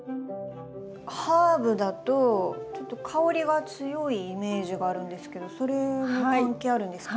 ハーブだとちょっと香りが強いイメージがあるんですけどそれも関係あるんですか？